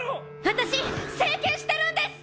わたし整形してるんです！